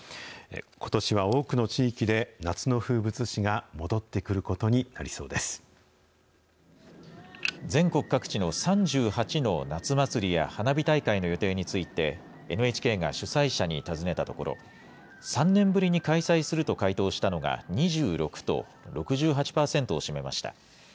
ことしは多くの地域で、夏の風物詩が戻ってくることになりそうで全国各地の３８の夏祭りや花火大会の予定について、ＮＨＫが主催者に尋ねたところ、３年ぶりに開催すると回答したのが２６と、６８％を占めました。